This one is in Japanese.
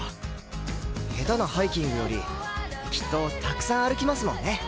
下手なハイキングよりきっとたくさん歩きますもんね。